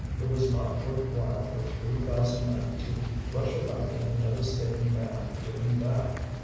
It was not worth while for three thousand men to rush about in a devastating band doing that.